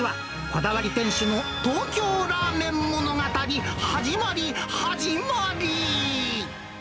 こだわり店主の東京ラーメン物語、始まり始まり。